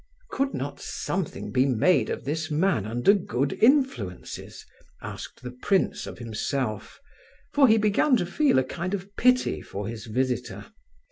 Could not something be made of this man under good influences? asked the prince of himself, for he began to feel a kind of pity for his visitor.